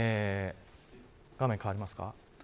画面、変わりますか。